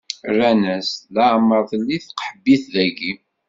Rran-as: Leɛmeṛ telli tqeḥbit dagi.